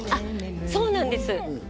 そうなんです。